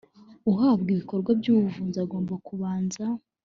uhabwa ibikorwa by ubuvuzi agomba kubanza